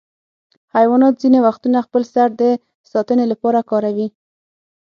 حیوانات ځینې وختونه خپل سر د ساتنې لپاره کاروي.